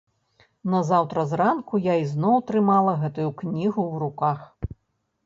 Назаўтра зранку я ізноў трымала гэтую кнігу ў руках.